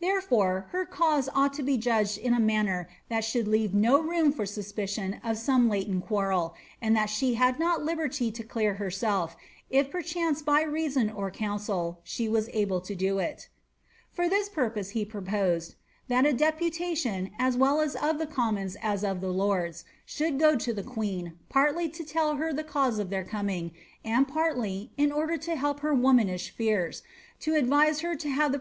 Therefore, her cause ought to be judged in a man ner that should leave no room for suspicion of some latent quarrel, and that she had not liberty to clear herself, if perchance by reason or eouasel she were able to do it" For this purpose he proposed ^ That a deputation, as well of the commons as of the lords, should go to the queen, partly to tell her the cause of their coming, and partly, in order to help her womanish fears, to advise her to Imve presence of mind ' Abim Boleyn and Katharine Howard.